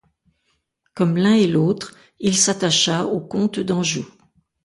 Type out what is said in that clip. Comme l'un et l'autre il s'attacha aux comtes d'Anjou.